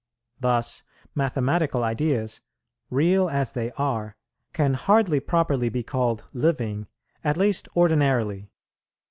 Thus mathematical ideas, real as they are, can hardly properly be called living, at least ordinarily.